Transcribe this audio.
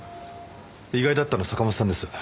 意外だったの坂本さんです。